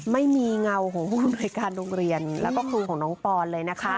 ไม่มีเงาของผู้อำนวยการโรงเรียนแล้วก็ครูของน้องปอนเลยนะคะ